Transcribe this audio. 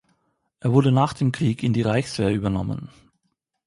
Er wurde nach dem Krieg in die Reichswehr übernommen.